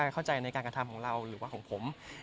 เข้าใจในการกระทำของเราหรือว่าของผม